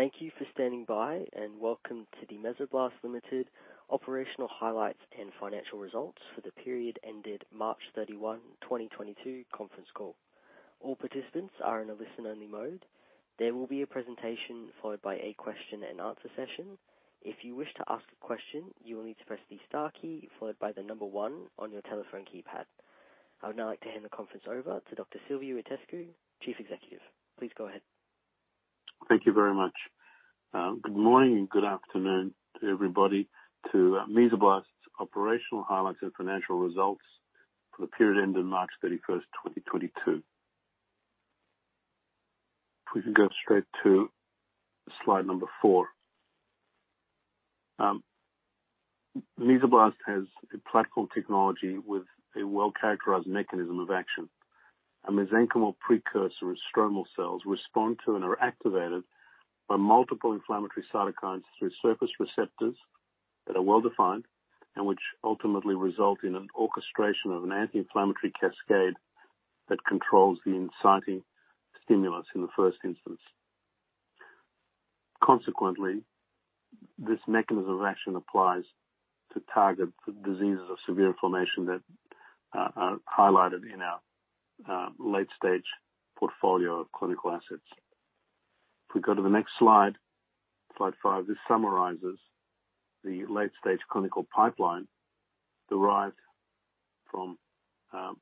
Thank you for standing by, and welcome to the Mesoblast Limited Operational Highlights and Financial Results for the period ended March 31, 2022 conference call. All participants are in a listen-only mode. There will be a presentation followed by a question and answer session. If you wish to ask a question, you will need to press the star key followed by the number one on your telephone keypad. I would now like to hand the conference over to Dr. Silviu Itescu, Chief Executive. Please go ahead. Thank you very much. Good morning and good afternoon to everybody, Mesoblast's operational highlights and financial results for the period ending March 31, 2022. If we can go straight to slide number 4. Mesoblast has a platform technology with a well-characterized mechanism of action. Mesenchymal precursor or stromal cells respond to and are activated by multiple inflammatory cytokines through surface receptors that are well-defined, and which ultimately result in an orchestration of an anti-inflammatory cascade that controls the inciting stimulus in the first instance. Consequently, this mechanism of action applies to target the diseases of severe inflammation that are highlighted in our late stage portfolio of clinical assets. If we go to the next slide 5, this summarizes the late stage clinical pipeline derived from our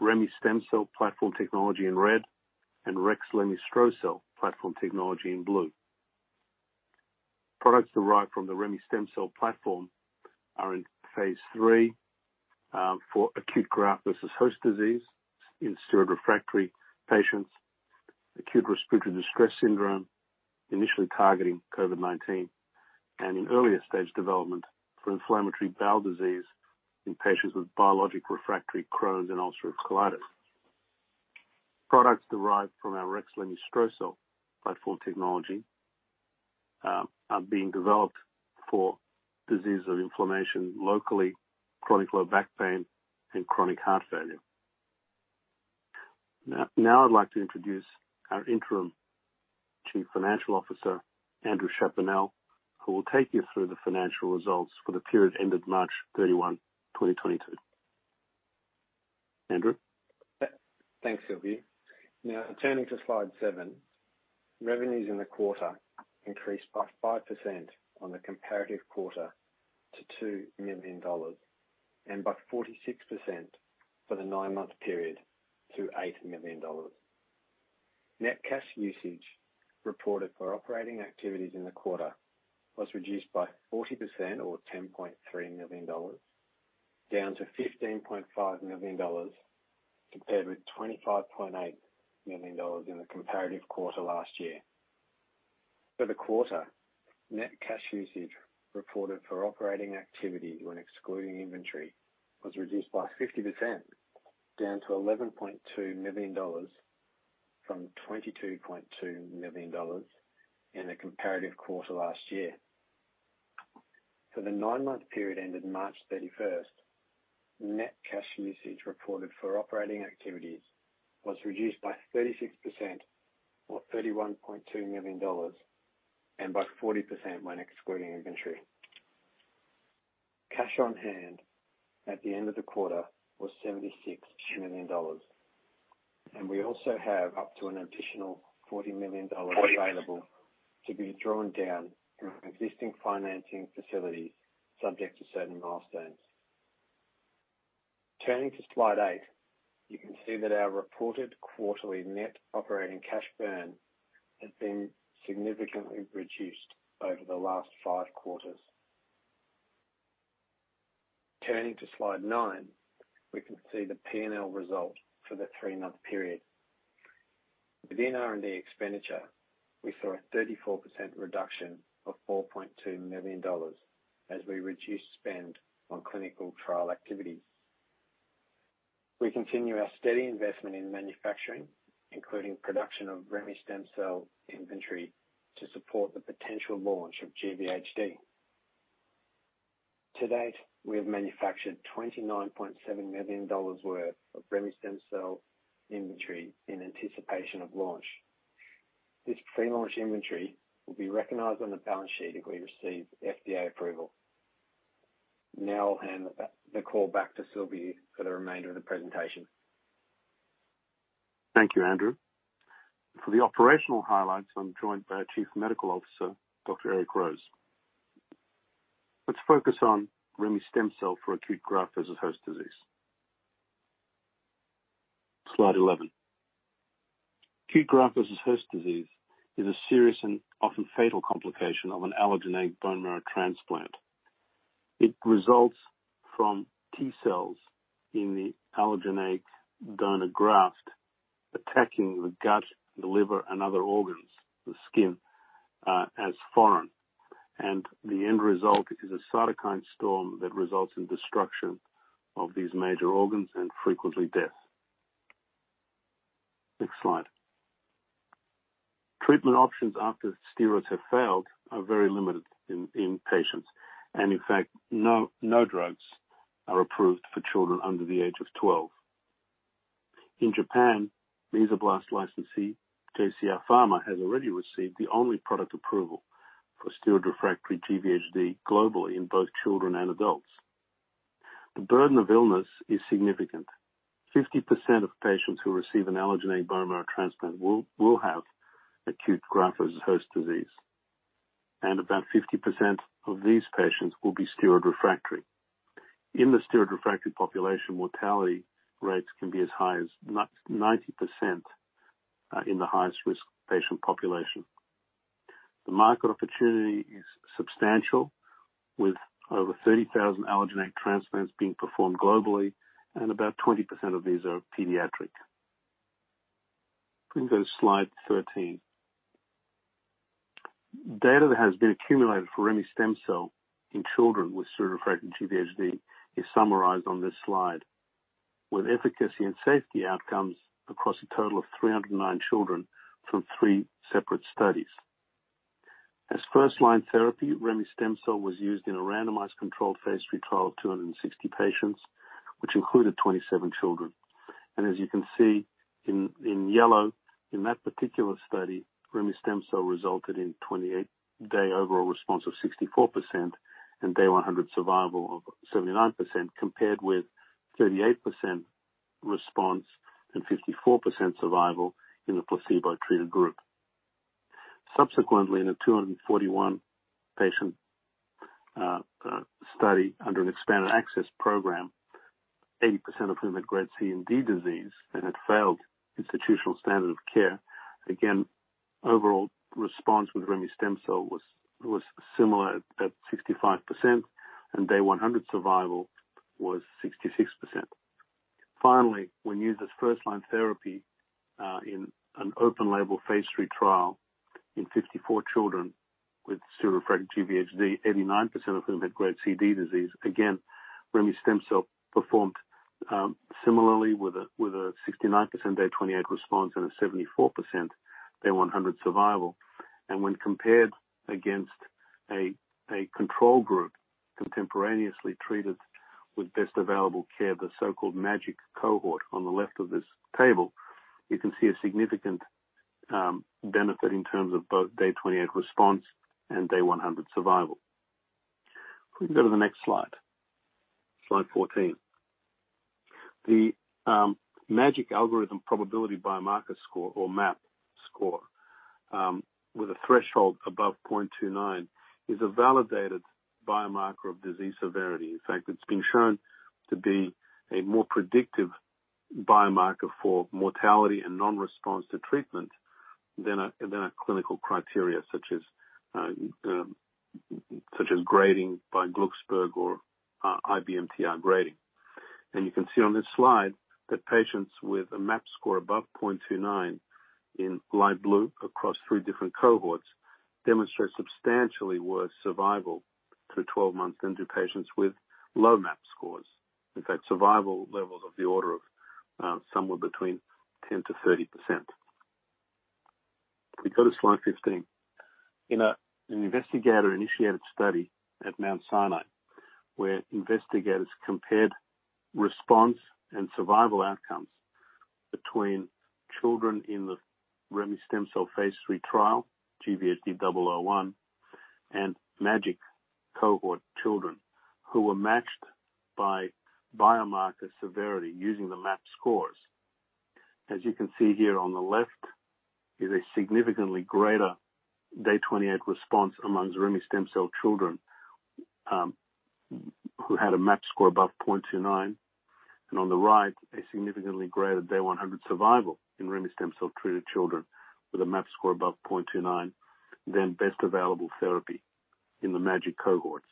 remestemcel stem cell platform technology in red and rexlemestrocel stromal cell platform technology in blue. Products derived from the remestemcel stem cell platform are in phase III for acute graft-versus-host disease in steroid refractory patients, acute respiratory distress syndrome, initially targeting COVID-19, and in earlier stage development for inflammatory bowel disease in patients with biologic refractory Crohn's and ulcerative colitis. Products derived from our rexlemestrocel stromal cell platform technology are being developed for disease or inflammation locally, chronic low back pain, and chronic heart failure. Now I'd like to introduce our Interim Chief Financial Officer, Andrew Chaponnel, who will take you through the financial results for the period ended March 31, 2022. Andrew? Thanks, Silviu. Now turning to slide seven. Revenues in the quarter increased by 5% on the comparative quarter to $2 million and by 46% for the nine-month period to $8 million. Net cash usage reported for operating activities in the quarter was reduced by 40% or $10.3 million, down to $15.5 million compared with $25.8 million in the comparative quarter last year. For the quarter, net cash usage reported for operating activities when excluding inventory was reduced by 50%, down to $11.2 million from $22.2 million in the comparative quarter last year. For the nine-month period ended March 31, net cash usage reported for operating activities was reduced by 36% or $31.2 million and by 40% when excluding inventory. Cash on hand at the end of the quarter was $76 million, and we also have up to an additional $40 million available to be drawn down from existing financing facilities subject to certain milestones. Turning to slide 8, you can see that our reported quarterly net operating cash burn has been significantly reduced over the last 5 quarters. Turning to slide 9, we can see the P&L result for the 3-month period. Within R&D expenditure, we saw a 34% reduction of $4.2 million as we reduced spend on clinical trial activities. We continue our steady investment in manufacturing, including production of remestemcel-L inventory to support the potential launch of GvHD. To date, we have manufactured $29.7 million worth of remestemcel-L inventory in anticipation of launch. This pre-launch inventory will be recognized on the balance sheet if we receive FDA approval. Now I'll hand the call back to Silviu for the remainder of the presentation. Thank you, Andrew. For the operational highlights, I'm joined by our Chief Medical Officer, Dr. Eric Rose. Let's focus on remestemcel-L for acute graft-versus-host disease. Slide 11. Acute graft-versus-host disease is a serious and often fatal complication of an allogeneic bone marrow transplant. It results from T-cells in the allogeneic donor graft attacking the gut, the liver, and other organs, the skin, as foreign. The end result is a cytokine storm that results in destruction of these major organs and frequently death. Next slide. Treatment options after steroids have failed are very limited in patients. In fact, no drugs are approved for children under the age of 12. In Japan, Mesoblast licensee, JCR Pharmaceuticals, has already received the only product approval for steroid-refractory GvHD globally in both children and adults. The burden of illness is significant. 50% of patients who receive an allogeneic bone marrow transplant will have acute graft-versus-host disease, and about 50% of these patients will be steroid refractory. In the steroid refractory population, mortality rates can be as high as 90% in the highest risk patient population. The market opportunity is substantial, with over 30,000 allogeneic transplants being performed globally and about 20% of these are pediatric. Can we go to slide 13? Data that has been accumulated for remestemcel-L in children with steroid-refractory GvHD is summarized on this slide, with efficacy and safety outcomes across a total of 309 children from three separate studies. As first-line therapy, remestemcel-L was used in a randomized controlled phase III trial of 260 patients, which included 27 children. As you can see in yellow, in that particular study, remestemcel-L resulted in 28-day overall response of 64% and day 100 survival of 79%, compared with 38% response and 54% survival in the placebo-treated group. Subsequently, in a 241-patient study under an expanded access program, 80% of whom had grade C and D disease and had failed institutional standard of care, again, overall response with remestemcel-L was similar at 65%, and day 100 survival was 66%. Finally, when used as first-line therapy in an open-label phase III trial in 54 children with steroid-refractory GvHD, 89% of them had grade C/D disease. Again, remestemcel-L performed similarly with a 69% day 28 response and a 74% day 100 survival. When compared against a control group contemporaneously treated with best available care, the so-called MAGIC cohort on the left of this table, you can see a significant benefit in terms of both day 28 response and day 100 survival. Can we go to the next slide 14? The MAGIC Algorithm Probability Biomarker score, or MAP score, with a threshold above 0.29 is a validated biomarker of disease severity. In fact, it's been shown to be a more predictive biomarker for mortality and non-response to treatment than a clinical criteria such as grading by Glucksberg or IBMTR grading. You can see on this slide that patients with a MAP score above 0.29 in light blue across three different cohorts demonstrate substantially worse survival through 12 months than do patients with low MAP scores. In fact, survival levels of the order of somewhere between 10%-30%. Can we go to slide 15? In an investigator-initiated study at Mount Sinai, where investigators compared response and survival outcomes between children in the remestemcel phase III trial, GVHD-001, and MAGIC cohort children who were matched by biomarker severity using the MAP scores. As you can see here on the left is a significantly greater day 28 response amongst remestemcel children who had a MAP score above 0.29. On the right, a significantly greater day 100 survival in remestemcel-treated children with a MAP score above 0.29 than best available therapy in the MAGIC cohorts.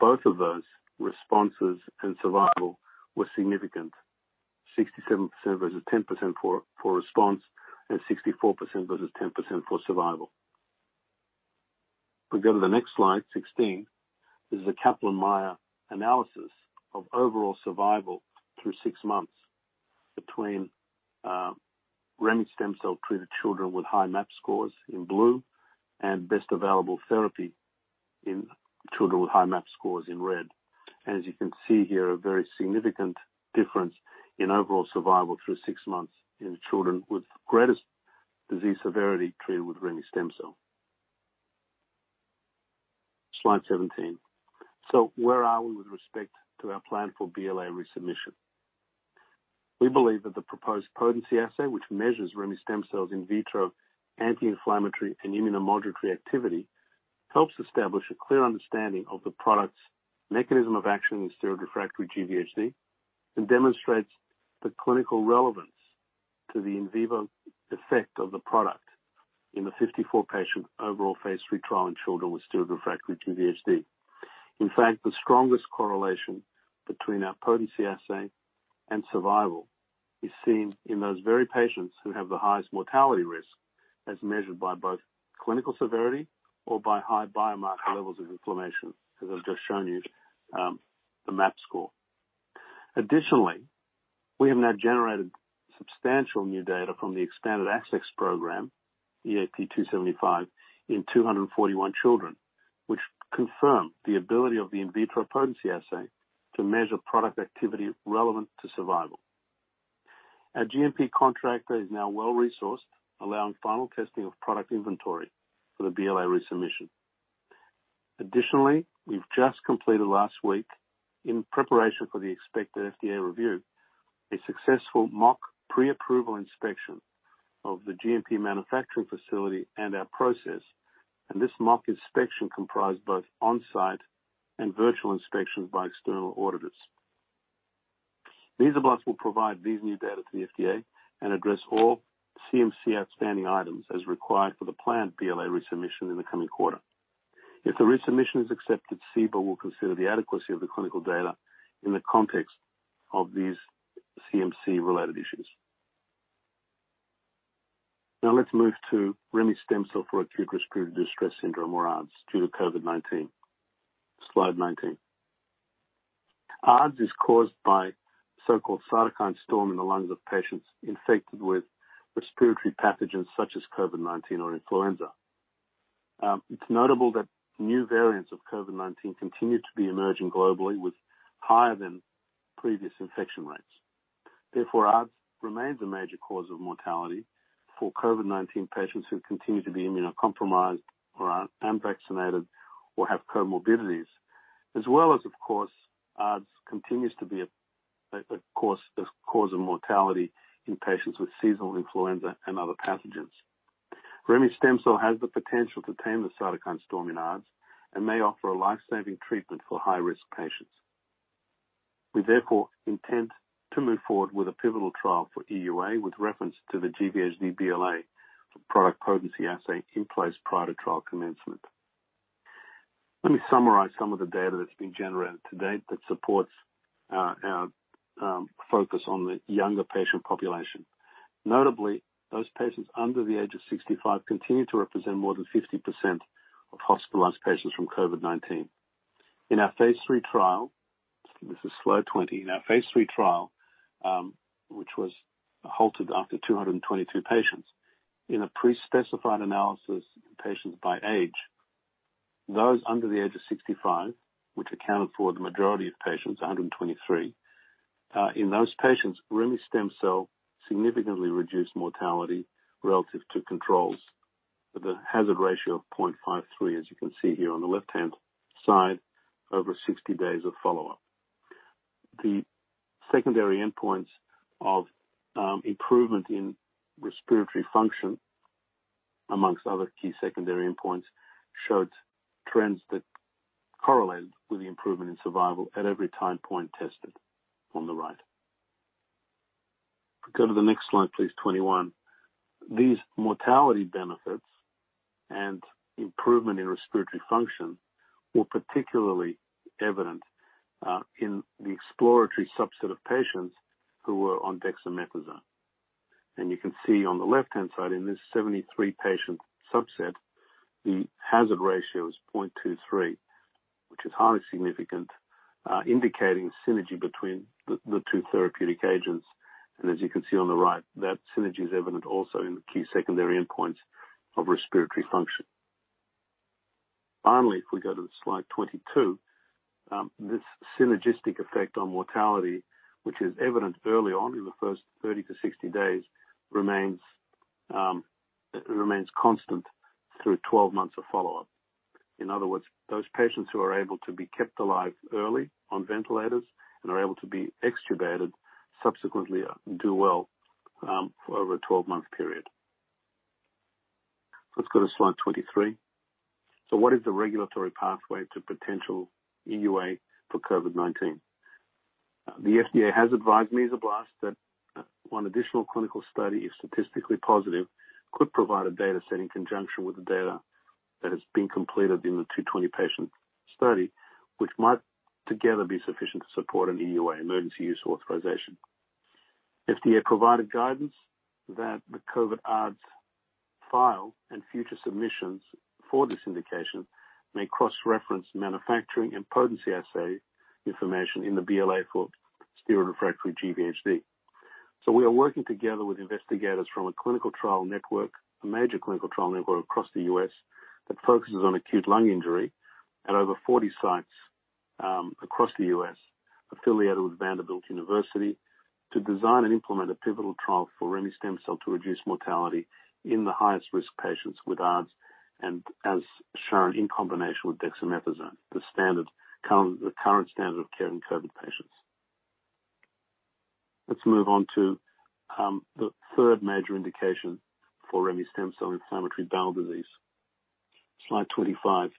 Both of those responses and survival were significant. 67% versus 10% for response and 64% versus 10% for survival. If we go to the next slide 16, this is a Kaplan-Meier analysis of overall survival through six months between remestemcel-treated children with high MAP scores in blue and best available therapy in children with high MAP scores in red. As you can see here, a very significant difference in overall survival through six months in children with greatest disease severity treated with remestemcel. Slide 17. Where are we with respect to our plan for BLA resubmission? We believe that the proposed potency assay, which measures remestemcel-L's in vitro anti-inflammatory and immunomodulatory activity, helps establish a clear understanding of the product's mechanism of action in steroid-refractory GvHD and demonstrates the clinical relevance to the in vivo effect of the product in the 54-patient overall phase III trial in children with steroid-refractory GvHD. In fact, the strongest correlation between our potency assay and survival is seen in those very patients who have the highest mortality risk, as measured by both clinical severity or by high biomarker levels of inflammation, as I've just shown you, the MAP score. Additionally, we have now generated substantial new data from the expanded access program, EAP-275, in 241 children, which confirm the ability of the in vitro potency assay to measure product activity relevant to survival. Our GMP contractor is now well-resourced, allowing final testing of product inventory for the BLA resubmission. Additionally, we've just completed last week, in preparation for the expected FDA review, a successful mock pre-approval inspection of the GMP manufacturing facility and our process, and this mock inspection comprised both on-site and virtual inspections by external auditors. Mesoblast will provide these new data to the FDA and address all CMC outstanding items as required for the planned BLA resubmission in the coming quarter. If the resubmission is accepted, CBER will consider the adequacy of the clinical data in the context of these CMC-related issues. Now let's move to remestemcel-L for acute respiratory distress syndrome, or ARDS, due to COVID-19. Slide 19. ARDS is caused by so-called cytokine storm in the lungs of patients infected with respiratory pathogens such as COVID-19 or influenza. It's notable that new variants of COVID-19 continue to be emerging globally with higher than previous infection rates. Therefore, ARDS remains a major cause of mortality for COVID-19 patients who continue to be immunocompromised or are unvaccinated or have comorbidities, as well as, of course, ARDS continues to be a cause of mortality in patients with seasonal influenza and other pathogens. Remestemcel-L has the potential to tame the cytokine storm in ARDS and may offer a life-saving treatment for high-risk patients. We therefore intend to move forward with a pivotal trial for EUA with reference to the GVHD BLA product potency assay in place prior to trial commencement. Let me summarize some of the data that's been generated to date that supports our focus on the younger patient population. Notably, those patients under the age of 65 continue to represent more than 50% of hospitalized patients from COVID-19. In our phase III trial, this is slide 20. In our phase III trial, which was halted after 222 patients. In a pre-specified analysis in patients by age, those under the age of 65, which accounted for the majority of patients, 123, in those patients, remestemcel-L significantly reduced mortality relative to controls with a hazard ratio of 0.53, as you can see here on the left-hand side, over 60 days of follow-up. The secondary endpoints of improvement in respiratory function, among other key secondary endpoints, showed trends that correlated with the improvement in survival at every time point tested on the right. If we go to the next slide, please, 21. These mortality benefits and improvement in respiratory function were particularly evident in the exploratory subset of patients who were on dexamethasone. You can see on the left-hand side, in this 73-patient subset, the hazard ratio is 0.23, which is highly significant, indicating synergy between the two therapeutic agents. As you can see on the right, that synergy is evident also in the key secondary endpoints of respiratory function. Finally, if we go to slide 22, this synergistic effect on mortality, which is evident early on in the first 30-60 days, remains constant through 12 months of follow-up. In other words, those patients who are able to be kept alive early on ventilators and are able to be extubated subsequently do well over a 12-month period. Let's go to slide 23. What is the regulatory pathway to potential EUA for COVID-19? The FDA has advised Mesoblast that one additional clinical study, if statistically positive, could provide a data set in conjunction with the data that has been completed in the 220-patient study, which might together be sufficient to support an EUA, Emergency Use Authorization. FDA provided guidance that the COVID ARDS file and future submissions for this indication may cross-reference manufacturing and potency assay information in the BLA for steroid-refractory GVHD. We are working together with investigators from a clinical trial network, a major clinical trial network across the US that focuses on acute lung injury at over 40 sites across the US affiliated with Vanderbilt University to design and implement a pivotal trial for remestemcel-L to reduce mortality in the highest-risk patients with ARDS and as shown in combination with dexamethasone, the current standard of care in COVID patients. Let's move on to the third major indication for remestemcel-L, inflammatory bowel disease. Slide 25.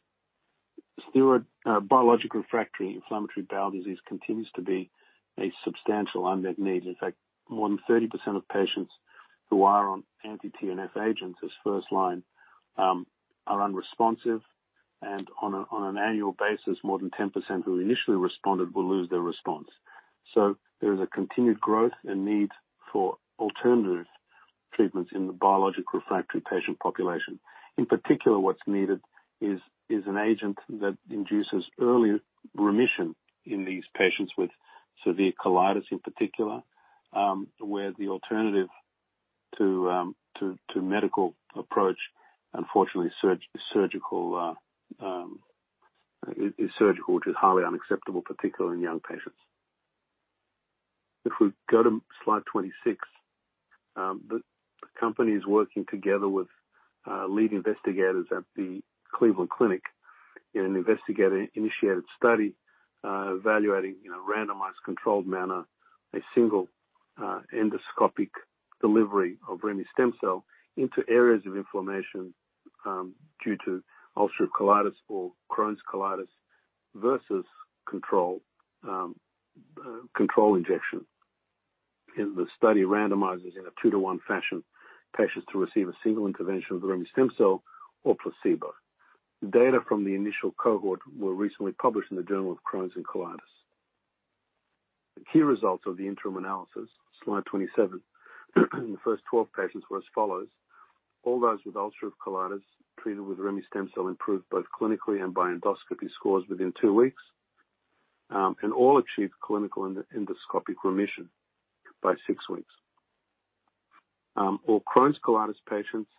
Steroid biological refractory inflammatory bowel disease continues to be a substantial unmet need. In fact, more than 30% of patients who are on anti-TNF agents as first line are unresponsive and on an annual basis, more than 10% who initially responded will lose their response. There is a continued growth and need for alternative treatments in the biologic-refractory patient population. In particular, what's needed is an agent that induces early remission in these patients with severe colitis in particular, where the alternative to the medical approach, unfortunately surgical, is surgical, which is highly unacceptable, particularly in young patients. If we go to slide 26, the company is working together with lead investigators at the Cleveland Clinic in an investigator-initiated study evaluating, in a randomized, controlled manner, a single endoscopic delivery of remestemcel-L into areas of inflammation due to ulcerative colitis or Crohn's colitis versus control injection. The study randomizes in a 2-to-1 fashion patients to receive a single intervention of the remestemcel-L or placebo. Data from the initial cohort were recently published in the Journal of Crohn's and Colitis. The key results of the interim analysis, slide 27, the first 12 patients were as follows: All those with ulcerative colitis treated with remestemcel-L improved both clinically and by endoscopy scores within two weeks, and all achieved clinical endoscopic remission by six weeks. All Crohn's colitis patients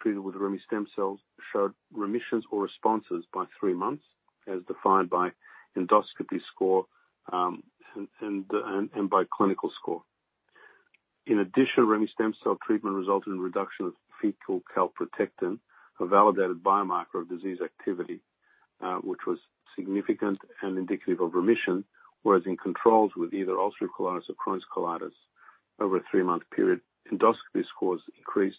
treated with remestemcel-L showed remissions or responses by three months, as defined by endoscopy score, and by clinical score. In addition, remestemcel-L treatment resulted in a reduction of fecal calprotectin, a validated biomarker of disease activity, which was significant and indicative of remission. Whereas in controls with either ulcerative colitis or Crohn's colitis over a three-month period, endoscopy scores increased,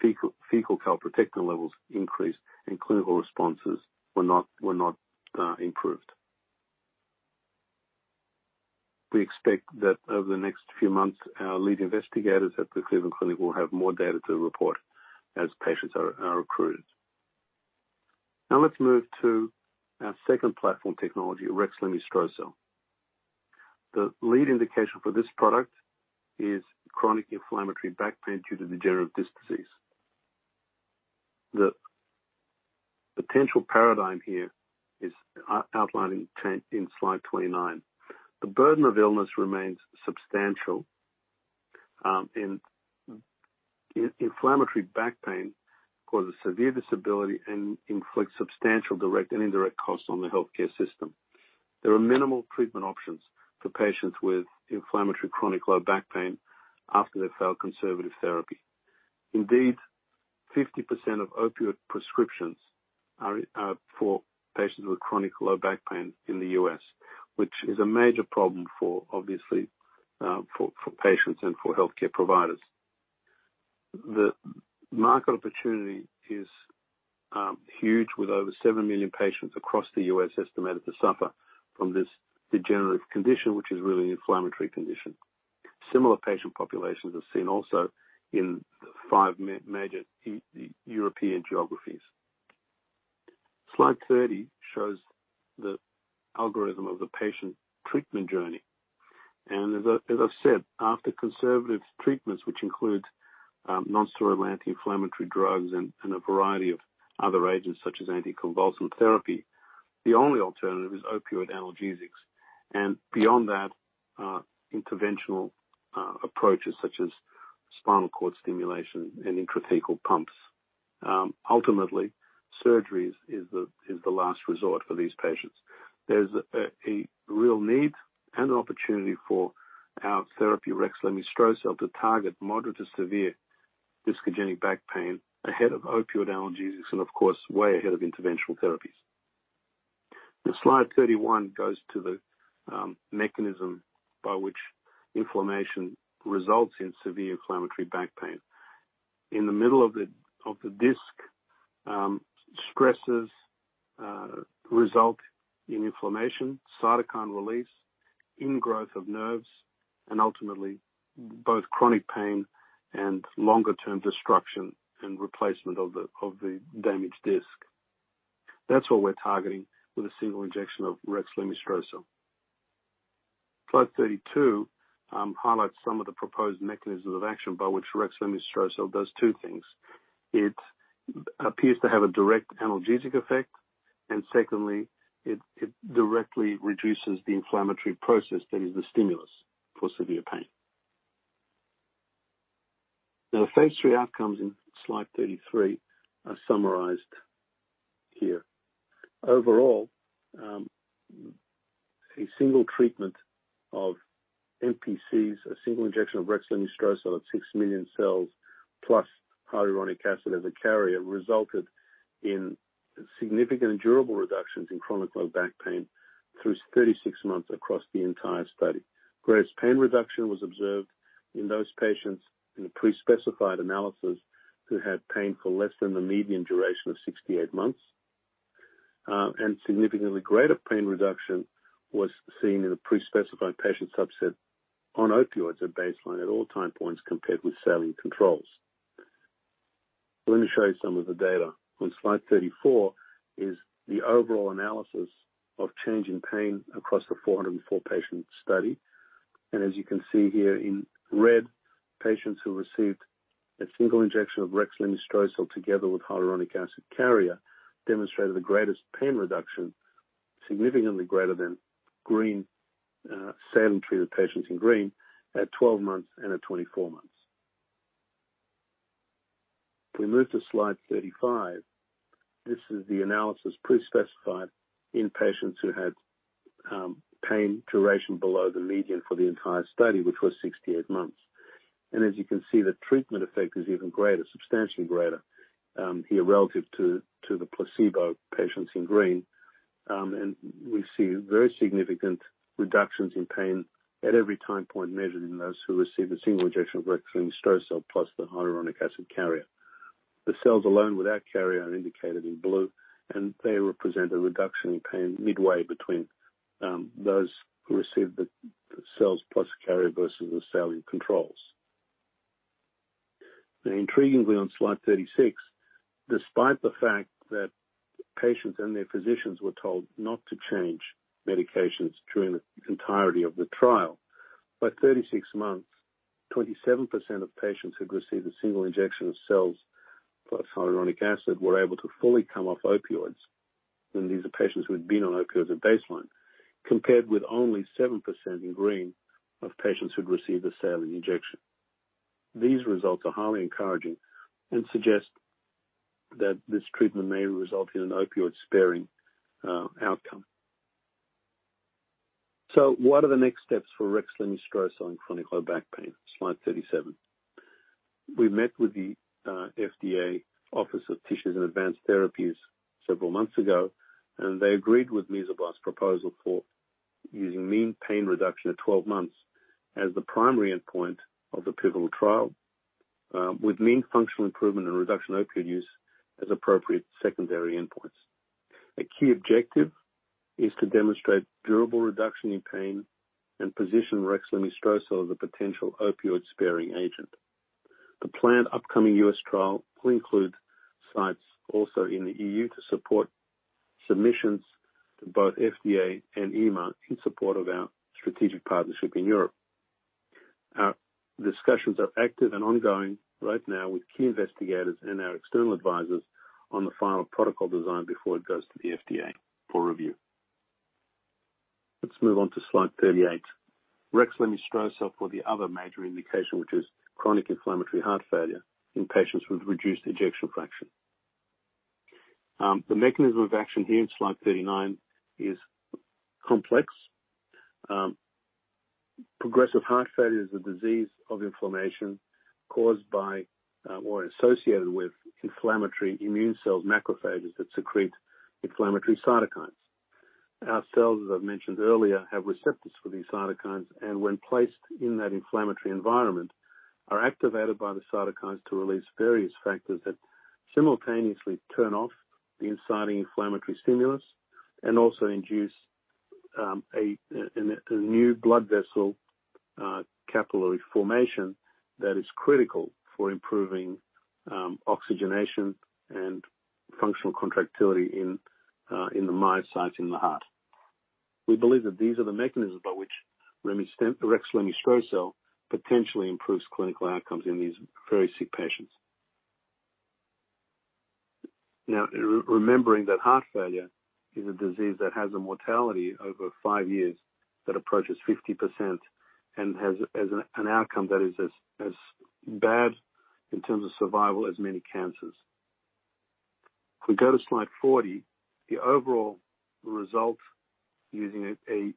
fecal calprotectin levels increased, and clinical responses were not improved. We expect that over the next few months, our lead investigators at the Cleveland Clinic will have more data to report as patients are recruited. Now let's move to our second platform technology, rexlemestrocel. The lead indication for this product is chronic inflammatory back pain due to degenerative disc disease. The potential paradigm here is outlined in slide 29. The burden of illness remains substantial, inflammatory back pain causes severe disability and inflicts substantial direct and indirect costs on the healthcare system. There are minimal treatment options for patients with inflammatory chronic low back pain after they've failed conservative therapy. Indeed, 50% of opioid prescriptions are for patients with chronic low back pain in the U.S., which is a major problem for, obviously, patients and for healthcare providers. The market opportunity is huge with over 7 million patients across the US estimated to suffer from this degenerative condition, which is really an inflammatory condition. Similar patient populations are seen also in 5 major European geographies. Slide 30 shows the algorithm of the patient treatment journey. As I've said, after conservative treatments, which include non-steroidal anti-inflammatory drugs and a variety of other agents such as anticonvulsant therapy, the only alternative is opioid analgesics. Beyond that, interventional approaches such as spinal cord stimulation and intrathecal pumps. Ultimately, surgery is the last resort for these patients. There's a real need and an opportunity for our therapy, rexlemestrocel-L, to target moderate to severe discogenic back pain ahead of opioid analgesics and, of course, way ahead of interventional therapies. Now, slide 31 goes to the mechanism by which inflammation results in severe inflammatory back pain. In the middle of the disc, stresses result in inflammation, cytokine release, ingrowth of nerves, and ultimately, both chronic pain and longer-term destruction and replacement of the damaged disc. That's what we're targeting with a single injection of rexlemestrocel-L. Slide 32 highlights some of the proposed mechanisms of action by which rexlemestrocel-L does two things. It appears to have a direct analgesic effect, and secondly, it directly reduces the inflammatory process that is the stimulus for severe pain. Now, the phase III outcomes in slide 33 are summarized here. Overall, a single treatment of MPCs, a single injection of rexlemestrocel-L at 6 million cells plus hyaluronic acid as a carrier, resulted in significant and durable reductions in chronic low back pain through 36 months across the entire study. Greatest pain reduction was observed in those patients in a pre-specified analysis who had pain for less than the median duration of 68 months. Significantly greater pain reduction was seen in a pre-specified patient subset on opioids at baseline at all time points compared with saline controls. We're going to show you some of the data. On slide 34 is the overall analysis of change in pain across the 404-patient study. As you can see here in red, patients who received a single injection of rexlemestrocel-L together with hyaluronic acid carrier demonstrated the greatest pain reduction, significantly greater than green, saline-treated patients in green at 12 months and at 24 months. If we move to slide 35, this is the analysis pre-specified in patients who had pain duration below the median for the entire study, which was 68 months. As you can see, the treatment effect is even greater, substantially greater, here relative to the placebo patients in green. We see very significant reductions in pain at every time point measured in those who received a single injection of rexlemestrocel-L plus the hyaluronic acid carrier. The cells alone without carrier are indicated in blue, and they represent a reduction in pain midway between those who received the c-cells plus carrier versus the saline controls. Now, intriguingly on slide 36, despite the fact that patients and their physicians were told not to change medications during the entirety of the trial, by 36 months, 27% of patients who received a single injection of cells plus hyaluronic acid were able to fully come off opioids, and these are patients who had been on opioids at baseline, compared with only 7% in green of patients who'd received the saline injection. These results are highly encouraging and suggest that this treatment may result in an opioid-sparing outcome. What are the next steps for rexlemestrocel-L in chronic low back pain? Slide 37. We met with the FDA Office of Tissues and Advanced Therapies several months ago, and they agreed with Mesoblast's proposal for using mean pain reduction at 12 months as the primary endpoint of the pivotal trial with mean functional improvement and reduction in opioid use as appropriate secondary endpoints. A key objective is to demonstrate durable reduction in pain and position rexlemestrocel-L as a potential opioid-sparing agent. The planned upcoming US trial will include sites also in the EU to support submissions to both FDA and EMA in support of our strategic partnership in Europe. Our discussions are active and ongoing right now with key investigators and our external advisors on the final protocol design before it goes to the FDA for review. Let's move on to slide 38. rexlemestrocel-L for the other major indication, which is chronic inflammatory heart failure in patients with reduced ejection fraction. The mechanism of action here in slide 39 is complex. Progressive heart failure is a disease of inflammation caused by or associated with inflammatory immune cells, macrophages that secrete inflammatory cytokines. Our cells, as I've mentioned earlier, have receptors for these cytokines, and when placed in that inflammatory environment, are activated by the cytokines to release various factors that simultaneously turn off the inciting inflammatory stimulus and also induce a new blood vessel capillary formation that is critical for improving oxygenation and functional contractility in the myocytes in the heart. We believe that these are the mechanisms by which rexlemestrocel-L potentially improves clinical outcomes in these very sick patients. Now, remembering that heart failure is a disease that has a mortality over 5 years that approaches 50% and has as an outcome that is as bad in terms of survival as many cancers. If we go to slide 40, the overall result using a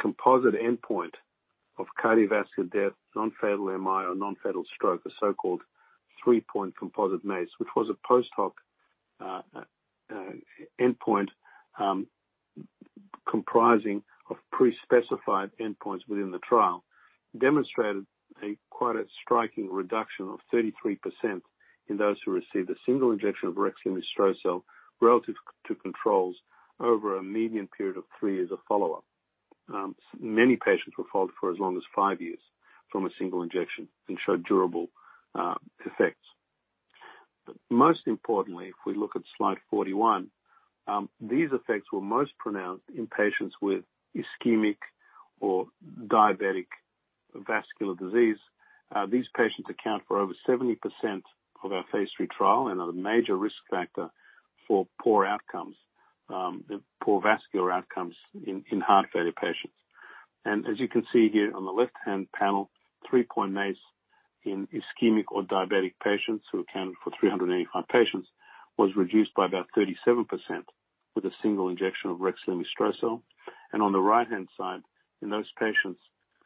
composite endpoint of cardiovascular death, non-fatal MI or non-fatal stroke, the so-called three-point composite MACE, which was a post hoc endpoint comprising of pre-specified endpoints within the trial, demonstrated quite a striking reduction of 33% in those who received a single injection of rexlemestrocel-L relative to controls over a median period of 3 years of follow-up. Many patients were followed for as long as 5 years from a single injection and showed durable effects. most importantly, if we look at slide 41, these effects were most pronounced in patients with ischemic or diabetic vascular disease. These patients account for over 70% of our phase III trial and are the major risk factor for poor outcomes, poor vascular outcomes in heart failure patients. As you can see here on the left-hand panel, 3-point MACE in ischemic or diabetic patients who account for 385 patients was reduced by about 37% with a single injection of rexlemestrocel-L. On the right-hand side, in those patients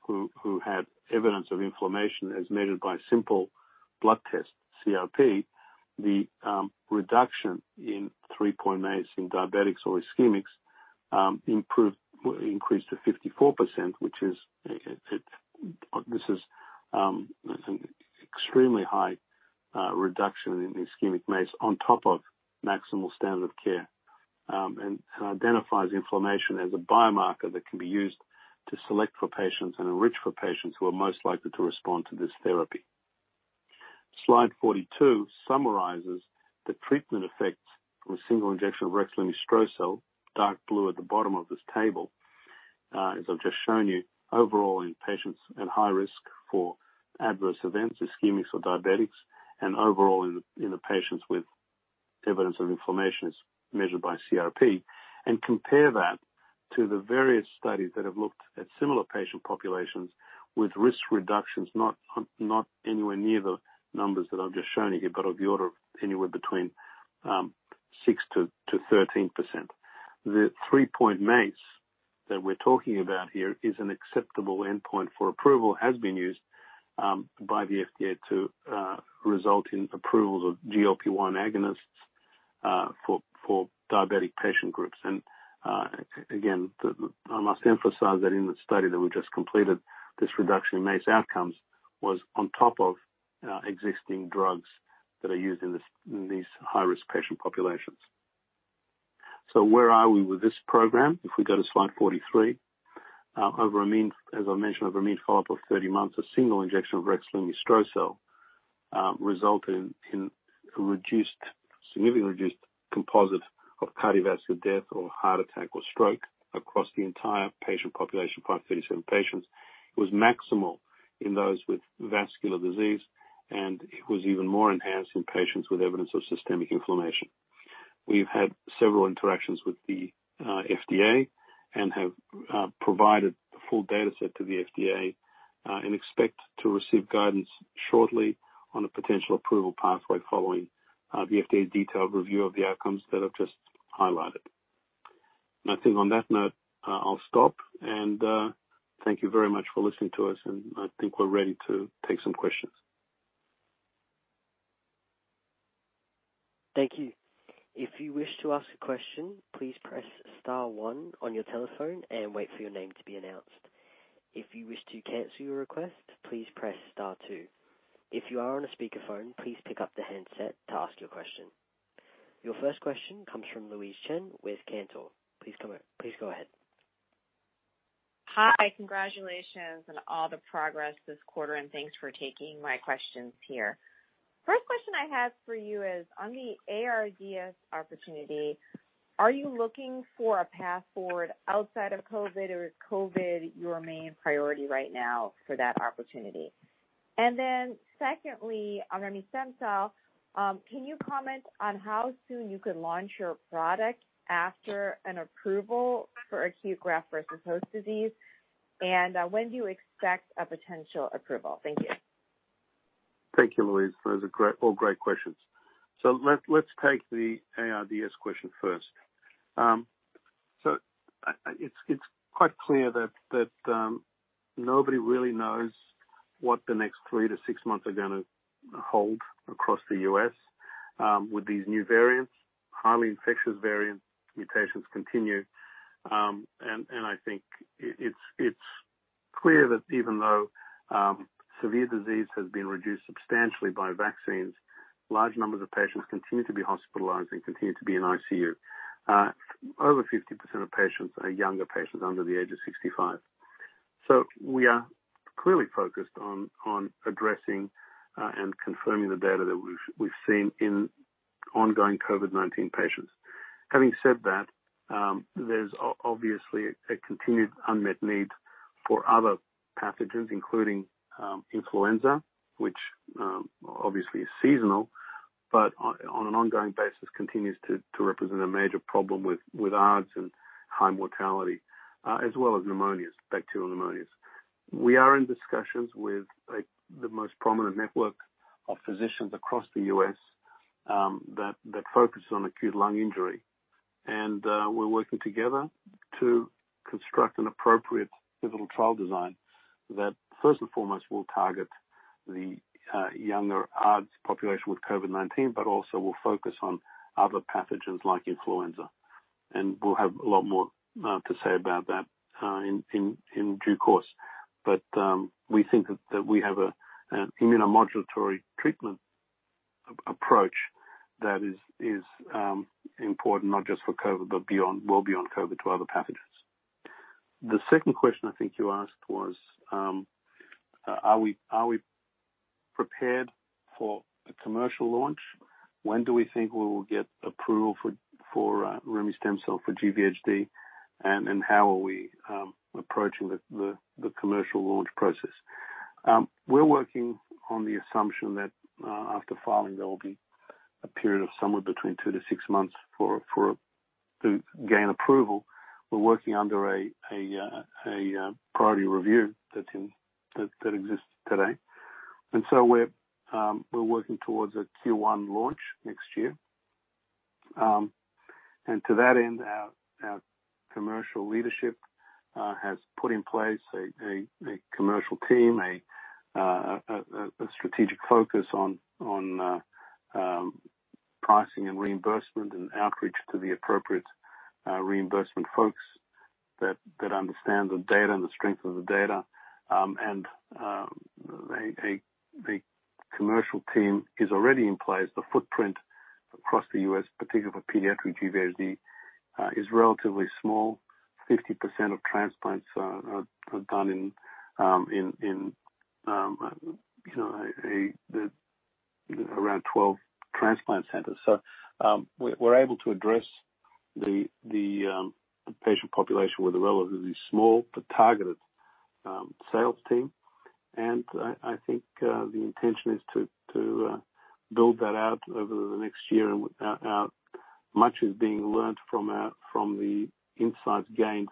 who had evidence of inflammation as measured by simple blood test CRP, the reduction in 3-point MACE in diabetics or ischemics improved, increased to 54%. This is an extremely high reduction in ischemic MACE on top of maximal standard of care. It identifies inflammation as a biomarker that can be used to select for patients and enrich for patients who are most likely to respond to this therapy. Slide 42 summarizes the treatment effects of a single injection of rexlemestrocel-L, dark blue at the bottom of this table, as I've just shown you, overall in patients at high risk for adverse events, ischemics or diabetics, and overall in the patients with evidence of inflammation as measured by CRP, and compare that to the various studies that have looked at similar patient populations with risk reductions, not anywhere near the numbers that I've just shown you here, but of the order of anywhere between 6%-13%. The 3-point MACE that we're talking about here is an acceptable endpoint for approval, has been used by the FDA to result in approvals of GLP-1 agonists for diabetic patient groups. Again, I must emphasize that in the study that we just completed, this reduction in MACE outcomes was on top of existing drugs that are used in this, in these high-risk patient populations. Where are we with this program? If we go to slide 43. Over a mean follow-up of 30 months, as I mentioned, a single injection of Revascor resulted in a significantly reduced composite of cardiovascular death or heart attack or stroke across the entire patient population, 537 patients. It was maximal in those with vascular disease, and it was even more enhanced in patients with evidence of systemic inflammation. We've had several interactions with the FDA and have provided the full data set to the FDA and expect to receive guidance shortly on a potential approval pathway following the FDA's detailed review of the outcomes that I've just highlighted. I think on that note, I'll stop. Thank you very much for listening to us, and I think we're ready to take some questions. Thank you. If you wish to ask a question, please press star one on your telephone and wait for your name to be announced. If you wish to cancel your request, please press star two. If you are on a speakerphone, please pick up the handset to ask your question. Your first question comes from Louise Chen with Cantor. Please go ahead. Hi. Congratulations on all the progress this quarter, and thanks for taking my questions here. First question I have for you is on the ARDS opportunity, are you looking for a path forward outside of COVID or is COVID your main priority right now for that opportunity? Secondly, on remestemcel-L, can you comment on how soon you could launch your product after an approval for acute graft-versus-host disease, and when do you expect a potential approval? Thank you. Thank you, Louise. Those are great questions. Let's take the ARDS question first. It's quite clear that nobody really knows what the next 3-6 months are gonna hold across the U.S., with these new variants, highly infectious variants, mutations continue, and I think it's clear that even though severe disease has been reduced substantially by vaccines, large numbers of patients continue to be hospitalized and continue to be in ICU. Over 50% of patients are younger patients under the age of 65. We are clearly focused on addressing and confirming the data that we've seen in ongoing COVID-19 patients. Having said that, there's obviously a continued unmet need for other pathogens, including influenza, which obviously is seasonal, but on an ongoing basis continues to represent a major problem with ARDS and high mortality, as well as pneumonias, bacterial pneumonias. We're in discussions with the most prominent network of physicians across the U.S. that focus on acute lung injury. We're working together to construct an appropriate pivotal trial design that first and foremost will target the younger ARDS population with COVID-19, but also will focus on other pathogens like influenza. We'll have a lot more to say about that in due course. We think that we have an immunomodulatory treatment approach that is important not just for COVID, but beyond, well beyond COVID to other pathogens. The second question I think you asked was, are we prepared for a commercial launch? When do we think we will get approval for remestemcel-L for GVHD, and how are we approaching the commercial launch process? We're working on the assumption that after filing, there will be a period of somewhere between 2-6 months to gain approval. We're working under a priority review that exists today. We're working towards a Q1 launch next year. To that end, our commercial leadership has put in place a commercial team, a strategic focus on pricing and reimbursement and outreach to the appropriate reimbursement folks that understands the data and the strength of the data. The commercial team is already in place. The footprint across the U.S., particularly for pediatric GvHD, is relatively small. 50% of transplants are done in you know around 12 transplant centers. We're able to address the patient population where they're relatively small, the targeted sales team. I think the intention is to build that out over the next year and with out. Much is being learned from the insights gained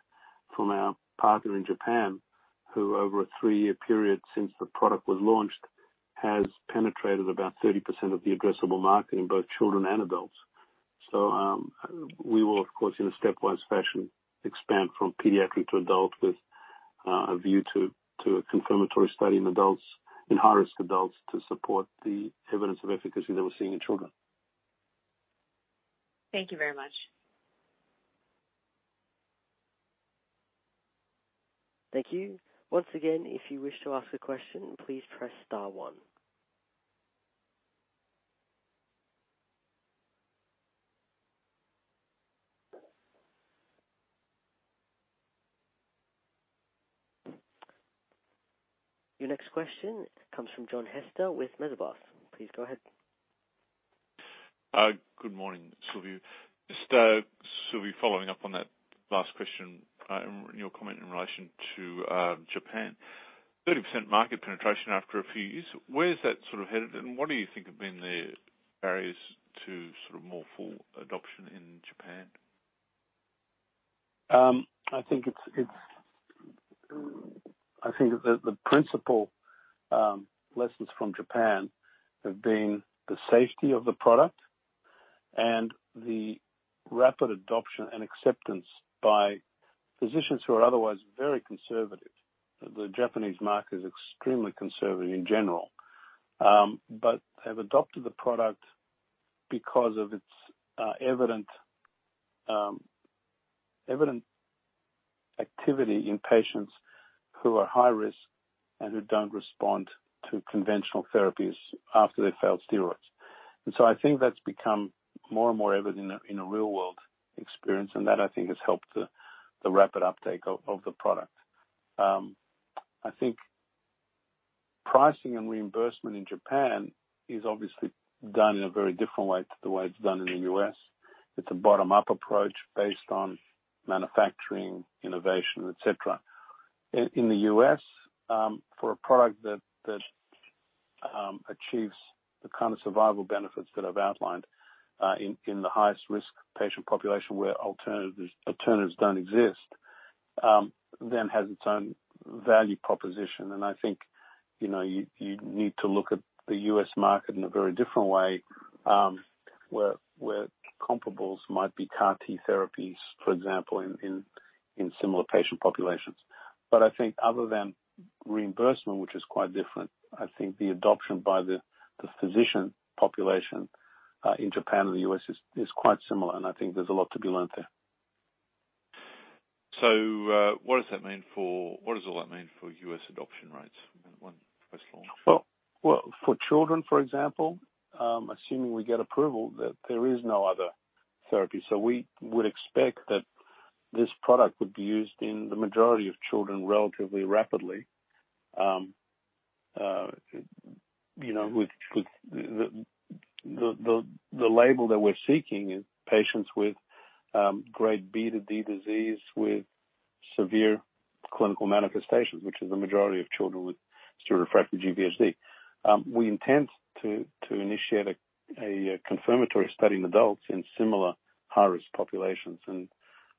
from our partner in Japan, who over a three-year period since the product was launched, has penetrated about 30% of the addressable market in both children and adults. We will of course in a stepwise fashion expand from pediatric to adult with a view to a confirmatory study in adults, in high-risk adults to support the evidence of efficacy that we're seeing in children. Thank you very much. Thank you. Once again, if you wish to ask a question, please press star one. Your next question comes from John Hester with Bell Potter. Please go ahead. Good morning, Silviu. Silviu, following up on that last question and your comment in relation to Japan. 30% market penetration after a few years, where is that sort of headed, and what do you think have been the barriers to sort of more full adoption in Japan? I think the principal lessons from Japan have been the safety of the product and the rapid adoption and acceptance by physicians who are otherwise very conservative. The Japanese market is extremely conservative in general, but have adopted the product because of its evident activity in patients who are high risk and who don't respond to conventional therapies after they've failed steroids. I think that's become more and more evident in a real-world experience, and that I think has helped the rapid uptake of the product. I think pricing and reimbursement in Japan is obviously done in a very different way to the way it's done in the U.S. It's a bottom-up approach based on manufacturing, innovation, et cetera. In the U.S., for a product that achieves the kind of survival benefits that I've outlined, in the highest-risk patient population where alternatives don't exist, then has its own value proposition. I think, you know, you need to look at the U.S. market in a very different way, where comparables might be CAR T therapies, for example, in similar patient populations. I think other than reimbursement, which is quite different, I think the adoption by the physician population, in Japan and the U.S. is quite similar. I think there's a lot to be learned there. What does all that mean for U.S. adoption rates when once launched? Well, for children, for example, assuming we get approval that there is no other therapy. We would expect that this product would be used in the majority of children relatively rapidly. You know, with the label that we're seeking is patients with grade B to D disease with severe clinical manifestations, which is the majority of children with steroid-refractory GvHD. We intend to initiate a confirmatory study in adults in similar high-risk populations.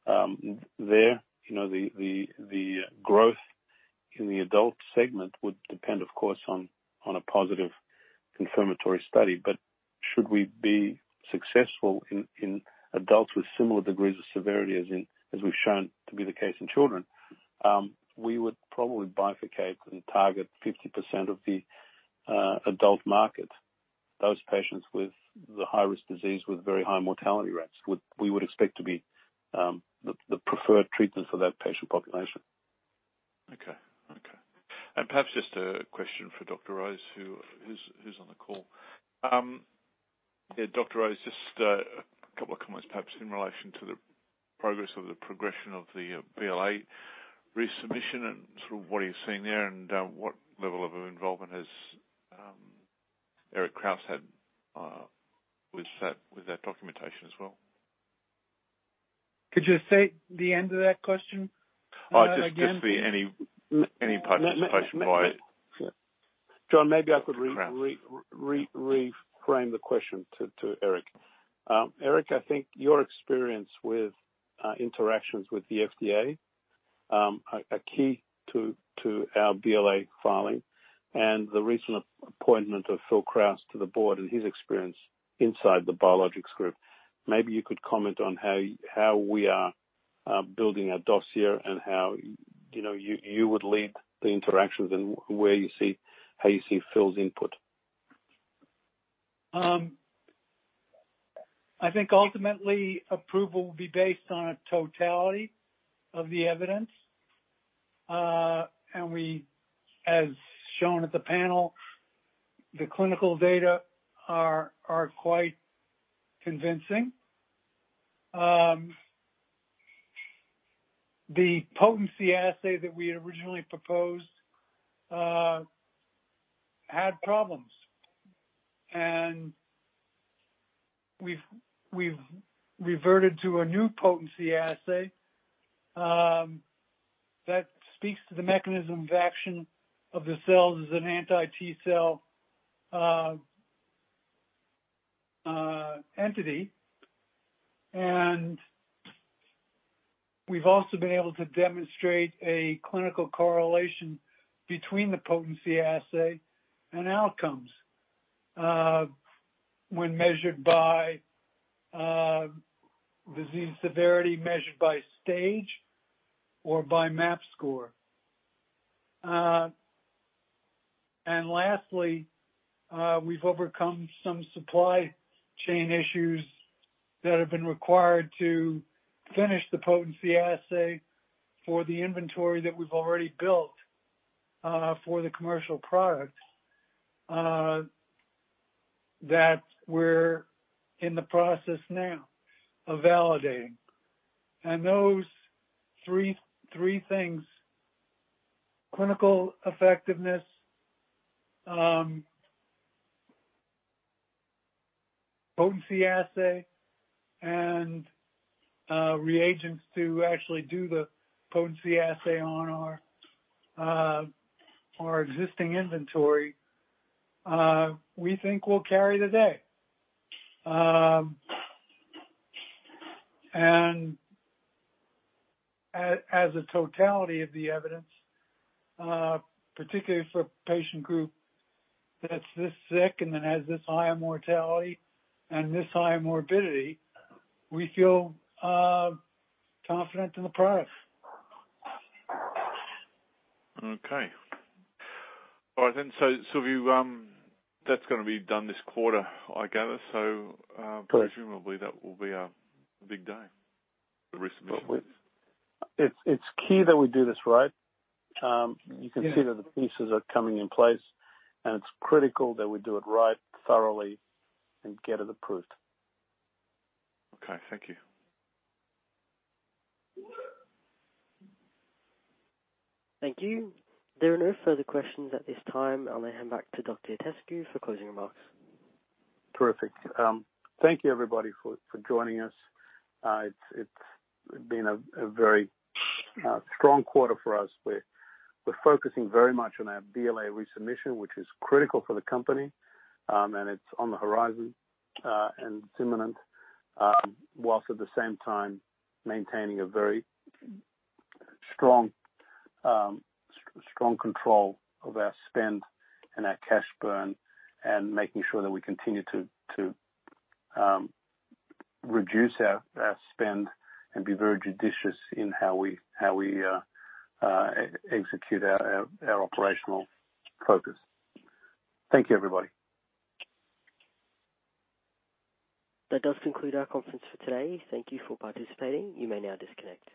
There, you know, the growth in the adult segment would depend, of course, on a positive confirmatory study. Should we be successful in adults with similar degrees of severity as in, as we've shown to be the case in children, we would probably bifurcate and target 50% of the adult market. Those patients with the high-risk disease with very high mortality rates we would expect to be the preferred treatment for that patient population. Okay. Perhaps just a question for Dr. Rose, who is on the call. Yeah, Dr. Rose, just a couple of comments perhaps in relation to the progress or the progression of the BLA resubmission and sort of what are you seeing there, and what level of involvement has Philip Krause had with that documentation as well? Could you state the end of that question again? Just any participation by- John, maybe I could reframe the question to Eric. Eric, I think your experience with interactions with the FDA are key to our BLA filing and the recent appointment of Phil Krause to the board and his experience inside the Biologics Group. Maybe you could comment on how we are building our dossier and how you know you would lead the interactions and how you see Phil's input. I think ultimately approval will be based on a totality of the evidence. As shown at the panel, the clinical data are quite convincing. The potency assay that we originally proposed had problems, and we've reverted to a new potency assay that speaks to the mechanism of action of the cells as an anti-T cell entity. We've also been able to demonstrate a clinical correlation between the potency assay and outcomes when measured by disease severity, measured by stage or by MAP score. We've overcome some supply chain issues that have been required to finish the potency assay for the inventory that we've already built for the commercial product that we're in the process now of validating. Those three things, clinical effectiveness, potency assay and reagents to actually do the potency assay on our existing inventory, we think will carry the day. As a totality of the evidence, particularly for a patient group that's this sick and that has this high a mortality and this high a morbidity, we feel confident in the product. Silviu, that's gonna be done this quarter I gather so. Correct. Presumably that will be a big day, the resubmission. It's key that we do this right. Yeah. You can see that the pieces are coming in place, and it's critical that we do it right thoroughly and get it approved. Okay. Thank you. Thank you. There are no further questions at this time. I'll hand back to Dr. Itescu for closing remarks. Terrific. Thank you everybody for joining us. It's been a very strong quarter for us. We're focusing very much on our BLA resubmission, which is critical for the company, and it's on the horizon and imminent. While at the same time maintaining a very strong control of our spend and our cash burn, and making sure that we continue to reduce our spend and be very judicious in how we execute our operational focus. Thank you, everybody. That does conclude our conference for today. Thank you for participating. You may now disconnect.